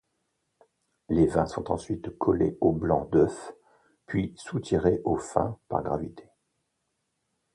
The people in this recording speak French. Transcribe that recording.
Les vins sont ensuite collés au blanc d'œuf puis soutirés au fin par gravité.